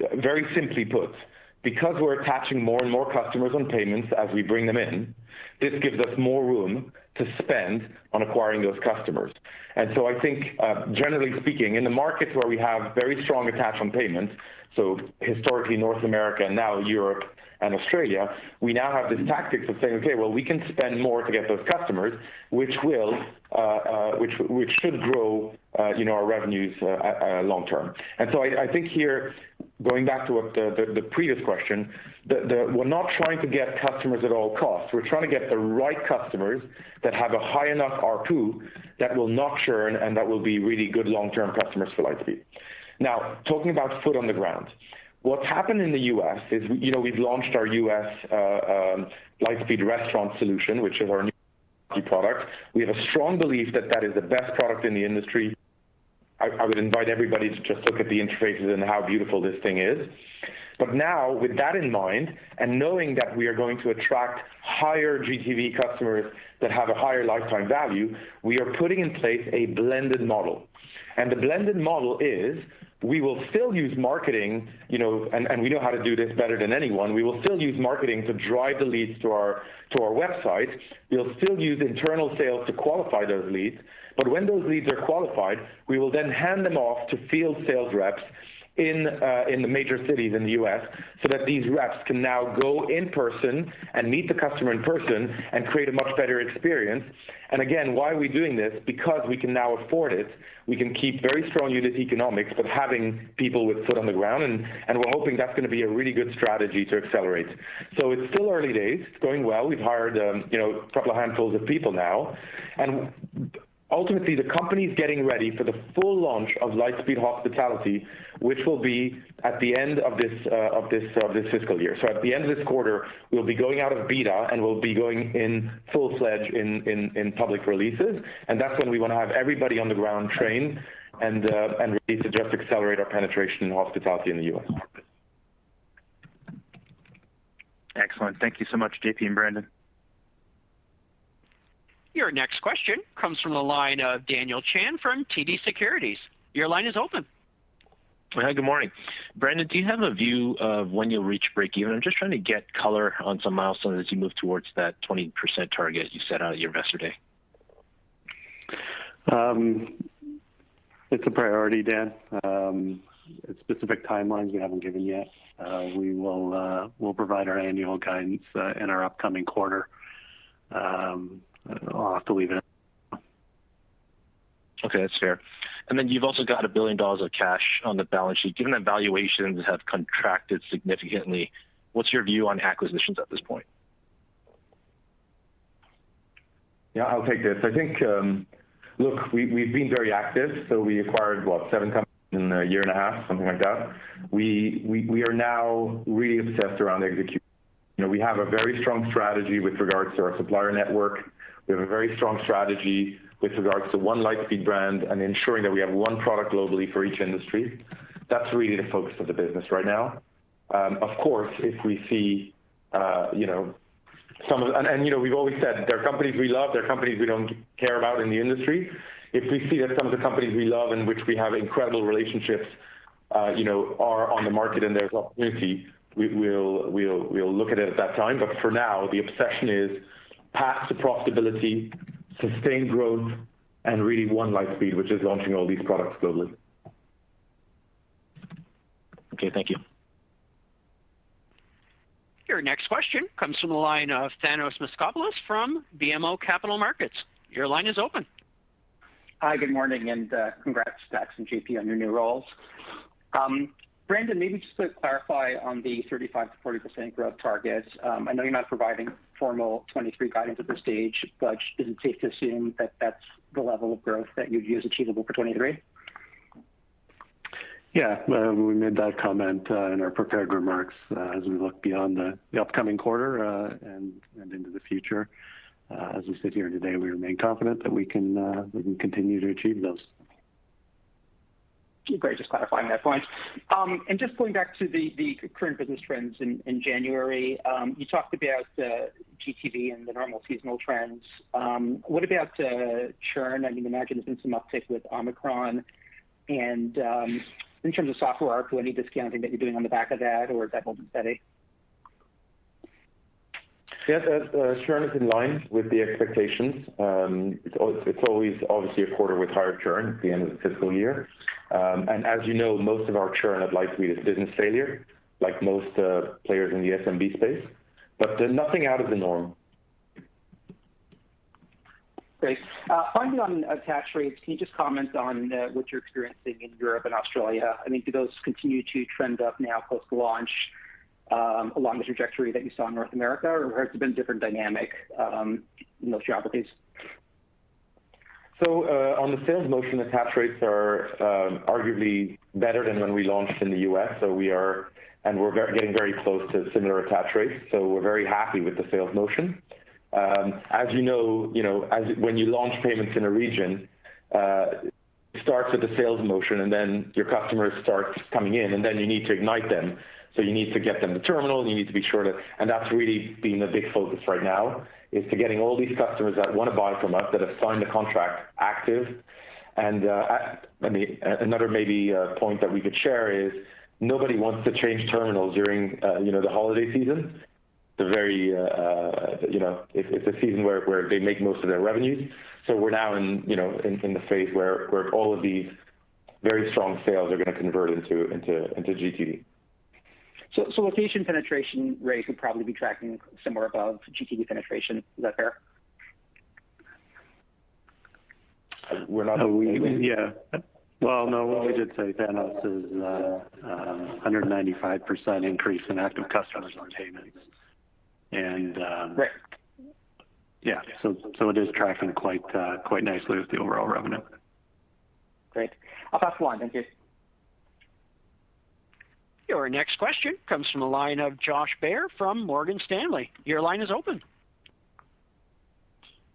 very simply put, because we're attaching more and more customers on payments as we bring them in, this gives us more room to spend on acquiring those customers. I think, generally speaking, in the markets where we have very strong attach on payments, so historically North America and now Europe and Australia, we now have this tactic of saying, "Okay, well, we can spend more to get those customers," which should grow, you know, our revenues long term. I think here, going back to what the previous question, we're not trying to get customers at all costs. We're trying to get the right customers that have a high enough ARPU that will not churn and that will be really good long-term customers for Lightspeed. Now, talking about foot on the ground. What's happened in the U.S. is, you know, we've launched our U.S. Lightspeed Restaurant solution, which is our new product. We have a strong belief that is the best product in the industry. I would invite everybody to just look at the interfaces and how beautiful this thing is. Now with that in mind, and knowing that we are going to attract higher GTV customers that have a higher lifetime value, we are putting in place a blended model. The blended model is, we will still use marketing, you know, and we know how to do this better than anyone. We will still use marketing to drive the leads to our website. We'll still use internal sales to qualify those leads. When those leads are qualified, we will then hand them off to field sales reps in the major cities in the U.S., so that these reps can now go in person and meet the customer in person and create a much better experience. Again, why are we doing this? Because we can now afford it. We can keep very strong unit economics, but having people with foot on the ground, and we're hoping that's gonna be a really good strategy to accelerate. It's still early days. It's going well. We've hired, you know, a couple of handfuls of people now. Ultimately, the company's getting ready for the full launch of Lightspeed Hospitality, which will be at the end of this fiscal year. At the end of this quarter, we'll be going out of beta, and we'll be going in full-fledged in public releases, and that's when we wanna have everybody on the ground trained and ready to just accelerate our penetration in hospitality in the U.S. market. Excellent. Thank you so much, JP and Brandon. Your next question comes from the line of Daniel Chan from TD Securities. Your line is open. Hi. Good morning. Brandon, do you have a view of when you'll reach breakeven? I'm just trying to get color on some milestones as you move towards that 20% target you set out at your Investor Day. It's a priority, Dan. Specific timelines we haven't given yet. We'll provide our annual guidance in our upcoming quarter. I'll have to leave it at that. Okay. That's fair. You've also got $1 billion of cash on the balance sheet. Given that valuations have contracted significantly, what's your view on acquisitions at this point? Yeah. I'll take this. I think. Look, we've been very active, so we acquired what, seven companies in a year and a half, something like that. We are now really obsessed around execution. You know, we have a very strong strategy with regards to our supplier network. We have a very strong strategy with regards to one Lightspeed brand and ensuring that we have one product globally for each industry. That's really the focus of the business right now. You know, we've always said there are companies we love, there are companies we don't care about in the industry. If we see that some of the companies we love and which we have incredible relationships are on the market and there's opportunity, we'll look at it at that time. For now, the obsession is path to profitability, sustained growth, and really one Lightspeed, which is launching all these products globally. Okay. Thank you. Your next question comes from the line of Thanos Moschopoulos from BMO Capital Markets. Your line is open. Hi, good morning and congrats Dax and JP on your new roles. Brandon, maybe just to clarify on the 35% to 40% growth targets. I know you're not providing formal 2023 guidance at this stage, but is it safe to assume that that's the level of growth that you view as achievable for 2023? Yeah. Well, we made that comment in our prepared remarks as we look beyond the upcoming quarter and into the future. As we sit here today, we remain confident that we can continue to achieve those. Great. Just clarifying that point. Just going back to the current business trends in January. You talked about GTV and the normal seasonal trends. What about churn? I can imagine there's been some uptick with Omicron. In terms of software, are there any discounting that you're doing on the back of that or is that holding steady? Yes. Churn is in line with the expectations. It's always obviously a quarter with higher churn at the end of the fiscal year. As you know, most of our churn at Lightspeed is business failure, like most players in the SMB space. There's nothing out of the norm. Great. Finally, on attach rates, can you just comment on what you're experiencing in Europe and Australia? I mean, do those continue to trend up now post-launch, along the trajectory that you saw in North America, or has it been a different dynamic in those geographies? On the sales motion, attach rates are arguably better than when we launched in the U.S. We are and we're getting very close to similar attach rates, so we're very happy with the sales motion. As you know, you know, when you launch payments in a region, it starts with the sales motion and then your customers start coming in, and then you need to ignite them. You need to get them the terminal, you need to be sure to. That's really been a big focus right now, is to getting all these customers that wanna buy from us, that have signed a contract, active. I mean, another maybe point that we could share is nobody wants to change terminals during, you know, the holiday season. The very, you know, it's a season where they make most of their revenues. We're now in, you know, in the phase where all of these very strong sales are gonna convert into GTV. Location penetration rate would probably be tracking somewhere above GTV penetration. Is that fair? We're not. Yeah. Well, no, what we did say, Thanos, is, 195% increase in active customers on payments. Right. It is tracking quite nicely with the overall revenue. Great. I'll pass the line. Thank you. Your next question comes from the line of Josh Baer from Morgan Stanley. Your line is open.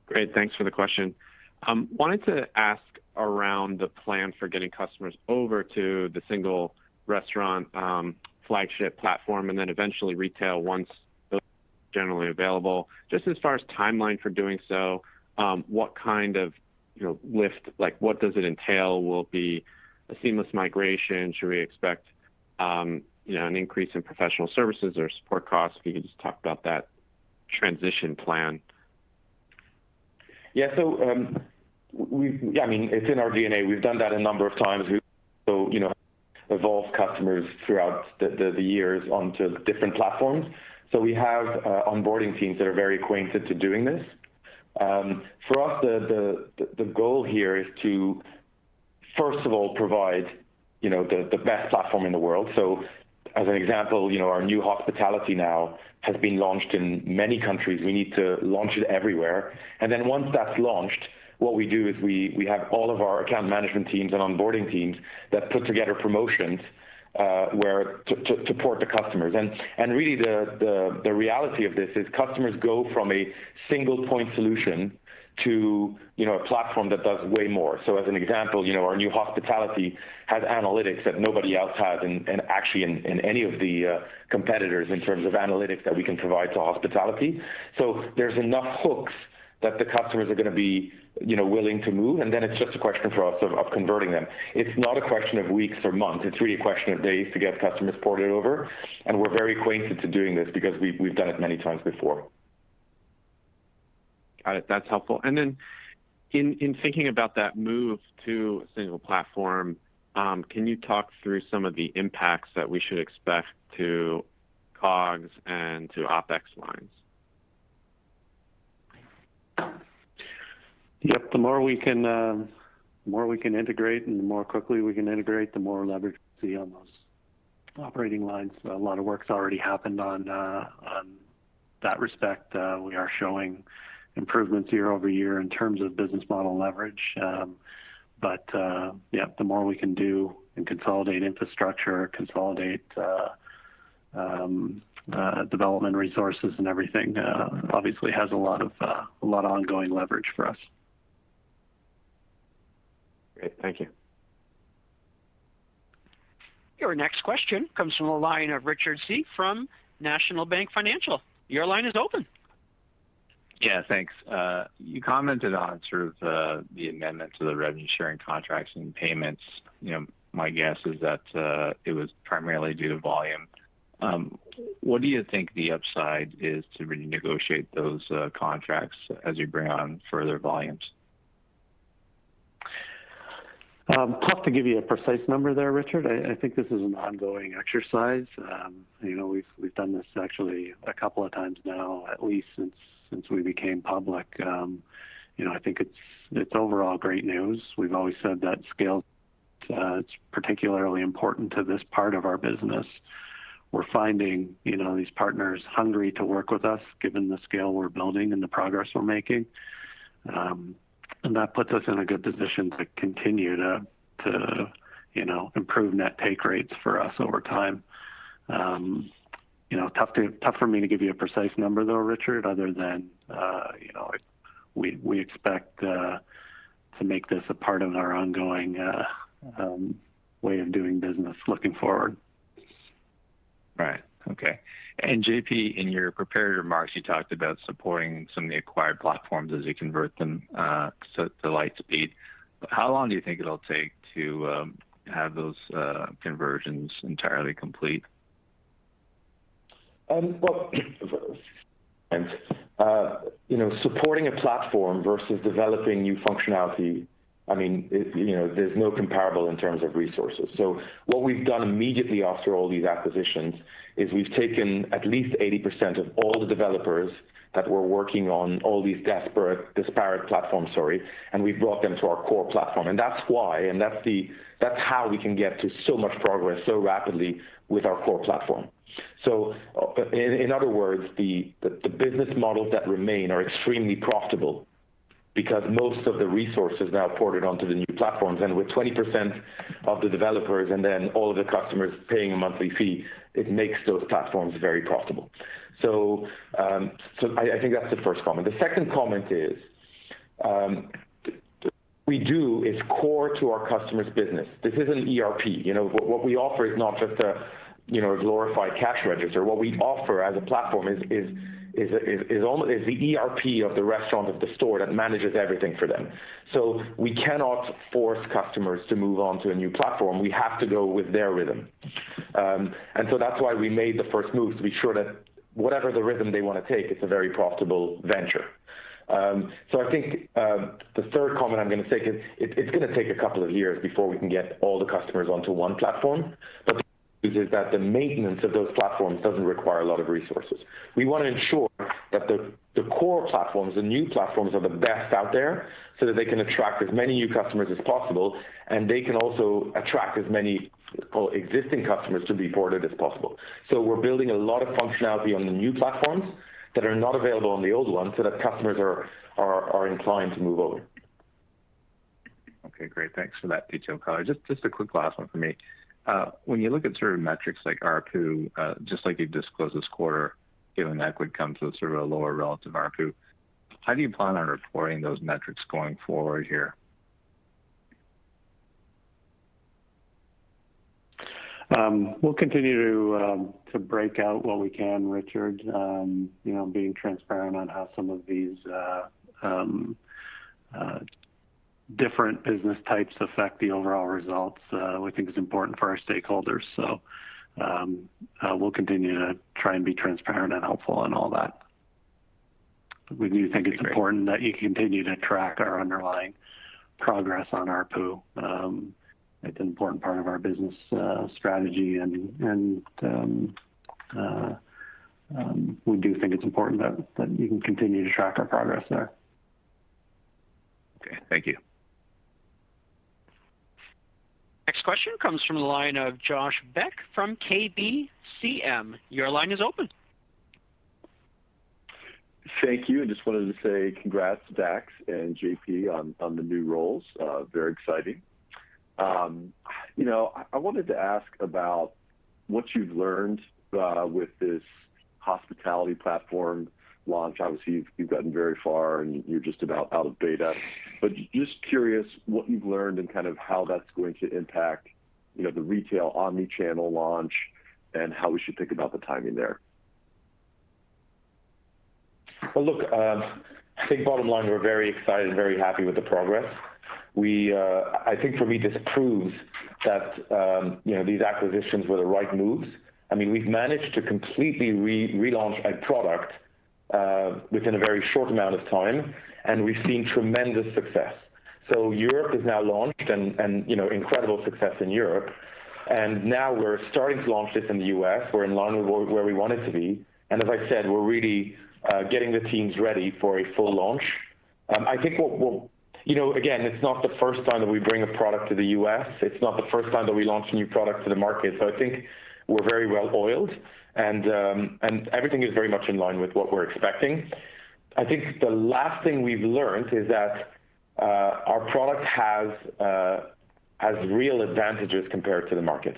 Great. Thanks for the question. Wanted to ask around the plan for getting customers over to the single restaurant flagship platform, and then eventually retail once it's generally available. Just as far as timeline for doing so, what kind of, you know, lift, like what does it entail? Will it be a seamless migration? Should we expect, you know, an increase in professional services or support costs? If you could just talk about that transition plan. Yeah. Yeah, I mean, it's in our DNA. We've done that a number of times. You know, evolved customers throughout the years onto different platforms. We have onboarding teams that are very acquainted to doing this. For us, the goal here is to, first of all, provide, you know, the best platform in the world. As an example, you know, our new hospitality now has been launched in many countries. We need to launch it everywhere. Once that's launched, what we do is we have all of our account management teams and onboarding teams that put together promotions to port the customers. Really the reality of this is customers go from a single point solution to, you know, a platform that does way more. As an example, you know, our new hospitality has analytics that nobody else has, and actually in any of the competitors in terms of analytics that we can provide to hospitality. There's enough hooks that the customers are gonna be, you know, willing to move, and then it's just a question for us of converting them. It's not a question of weeks or months. It's really a question of days to get customers ported over, and we're very accustomed to doing this because we've done it many times before. Got it. That's helpful. In thinking about that move to a single platform, can you talk through some of the impacts that we should expect to COGS and to OpEx lines? Yep. The more we can integrate and the more quickly we can integrate, the more leverage we see on those operating lines. A lot of work's already happened in that respect. We are showing improvements year-over-year in terms of business model leverage. The more we can do and consolidate infrastructure, consolidate development resources and everything obviously has a lot of ongoing leverage for us. Great. Thank you. Your next question comes from the line of Richard Tse from National Bank Financial. Your line is open. Yeah, thanks. You commented on sort of the amendment to the revenue sharing contracts and payments. You know, my guess is that it was primarily due to volume. What do you think the upside is to renegotiate those contracts as you bring on further volumes? Tough to give you a precise number there, Richard. I think this is an ongoing exercise. You know, we've done this actually a couple of times now, at least since we became public. You know, I think it's overall great news. We've always said that scale, it's particularly important to this part of our business. We're finding, you know, these partners hungry to work with us given the scale we're building and the progress we're making. That puts us in a good position to continue to you know, improve net take rates for us over time. You know, tough for me to give you a precise number though, Richard, other than, you know, we expect to make this a part of our ongoing way of doing business looking forward. Right. Okay. JP, in your prepared remarks, you talked about supporting some of the acquired platforms as you convert them, so to Lightspeed. How long do you think it'll take to have those conversions entirely complete? Well, you know, supporting a platform versus developing new functionality, I mean, it, you know, there's no comparable in terms of resources. What we've done immediately after all these acquisitions is we've taken at least 80% of all the developers that were working on all these disparate platforms, sorry, and we've brought them to our core platform. That's why that's how we can get to so much progress so rapidly with our core platform. In other words, the business models that remain are extremely profitable because most of the resources now ported onto the new platforms, and with 20% of the developers and then all of the customers paying a monthly fee, it makes those platforms very profitable. I think that's the first comment. The second comment is what we do is core to our customer's business. This isn't ERP. You know, what we offer is not just, you know, a glorified cash register. What we offer as a platform is the ERP of the restaurant or the store that manages everything for them. We cannot force customers to move on to a new platform. We have to go with their rhythm. That's why we made the first move to be sure that whatever the rhythm they wanna take, it's a very profitable venture. I think the third comment I'm gonna take is it's gonna take a couple of years before we can get all the customers onto one platform. The good news is that the maintenance of those platforms doesn't require a lot of resources. We wanna ensure that the core platforms, the new platforms are the best out there so that they can attract as many new customers as possible, and they can also attract as many existing customers to be ported as possible. We're building a lot of functionality on the new platforms that are not available on the old one so that customers are inclined to move over. Okay, great. Thanks for that detailed color. Just a quick last one for me. When you look at certain metrics like ARPU, just like you've disclosed this quarter, given that would come to a sort of a lower relative ARPU, how do you plan on reporting those metrics going forward here? We'll continue to break out what we can, Richard. You know, being transparent on how some of these different business types affect the overall results, we think is important for our stakeholders. We'll continue to try and be transparent and helpful in all that. We do think it's important that you continue to track our underlying progress on ARPU. It's an important part of our business strategy and we do think it's important that you can continue to track our progress there. Okay. Thank you. Next question comes from the line of Josh Beck from KeyBanc Capital Markets. Your line is open. Thank you. I just wanted to say congrats to Dax and JP on the new roles. Very exciting. You know, I wanted to ask about what you've learned with this hospitality platform launch. Obviously, you've gotten very far, and you're just about out of beta. Just curious what you've learned and kind of how that's going to impact, you know, the retail omni-channel launch and how we should think about the timing there. Well, look, I think bottom line, we're very excited and very happy with the progress. I think for me this proves that you know these acquisitions were the right moves. I mean, we've managed to completely relaunch a product within a very short amount of time, and we've seen tremendous success. Europe is now launched and you know incredible success in Europe, and now we're starting to launch this in the U.S. We're in line with where we want it to be. As I said, we're really getting the teams ready for a full launch. I think. You know, again, it's not the first time that we bring a product to the U.S. It's not the first time that we launch a new product to the market. I think we're very well oiled and everything is very much in line with what we're expecting. I think the last thing we've learned is that our product has real advantages compared to the market.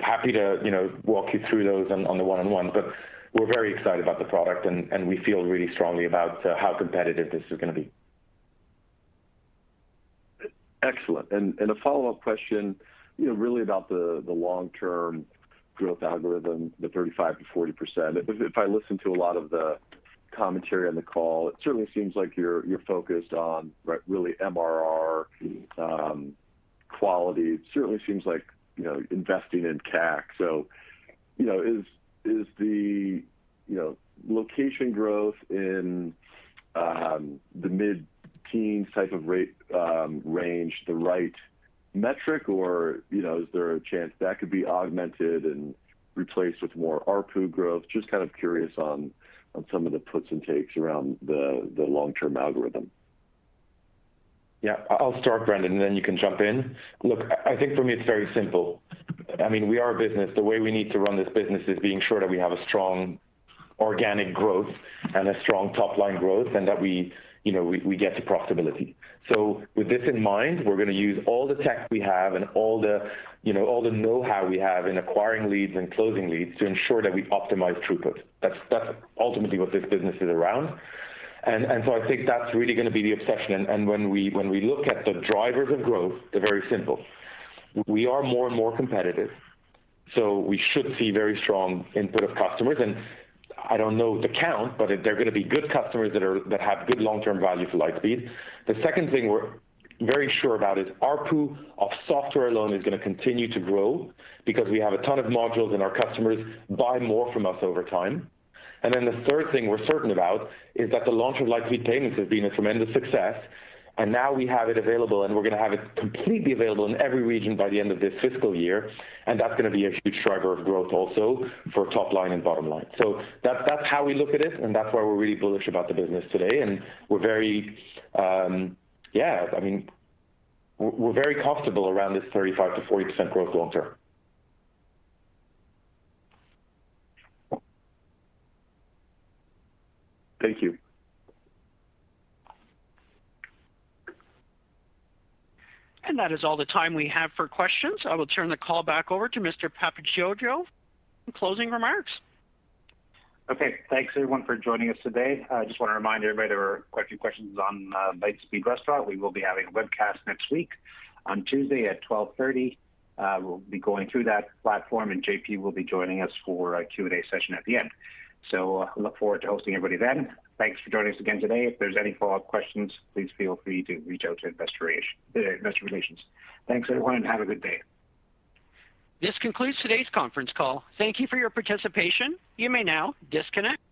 Happy to, you know, walk you through those on the one-on-one, but we're very excited about the product and we feel really strongly about how competitive this is gonna be. Excellent. A follow-up question, you know, really about the long-term growth algorithm, the 35% to 40%. If I listen to a lot of the commentary on the call, it certainly seems like you're focused on, right, really MRR quality. It certainly seems like, you know, investing in CAC. You know, is the location growth in the mid-teens type of rate range the right metric or, you know, is there a chance that could be augmented and replaced with more ARPU growth? Just kind of curious on some of the puts and takes around the long-term algorithm. Yeah. I'll start, Brandon, and then you can jump in. Look, I think for me it's very simple. I mean, we are a business. The way we need to run this business is being sure that we have a strong organic growth and a strong top-line growth and that we, you know, get to profitability. With this in mind, we're gonna use all the tech we have and all the, you know, all the know-how we have in acquiring leads and closing leads to ensure that we optimize throughput. That's ultimately what this business is around. When we look at the drivers of growth, they're very simple. We are more and more competitive, so we should see very strong input of customers. I don't know the count, but they're gonna be good customers that have good long-term value for Lightspeed. The second thing we're very sure about is ARPU of software alone is gonna continue to grow because we have a ton of modules, and our customers buy more from us over time. The third thing we're certain about is that the launch of Lightspeed Payments has been a tremendous success, and now we have it available, and we're gonna have it completely available in every region by the end of this fiscal year, and that's gonna be a huge driver of growth also for top line and bottom line. That's how we look at it, and that's why we're really bullish about the business today. We're very Yeah, I mean, we're very comfortable around this 35% to 40% growth long term. Thank you. That is all the time we have for questions. I will turn the call back over to Mr. Papageorgiou for closing remarks. Okay. Thanks, everyone, for joining us today. I just want to remind everybody there were quite a few questions on Lightspeed Restaurant. We will be having a webcast next week on Tuesday at 12:30 P.M. We'll be going through that platform, and JP will be joining us for a Q&A session at the end. Look forward to hosting everybody then. Thanks for joining us again today. If there's any follow-up questions, please feel free to reach out to investor relations. Thanks, everyone, and have a good day. This concludes today's conference call. Thank you for your participation. You may now disconnect.